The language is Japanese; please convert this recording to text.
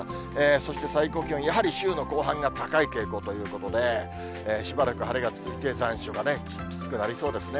そして最高気温、やはり週の後半が高い傾向ということで、しばらく晴れが続き、残暑がきつくなりそうですね。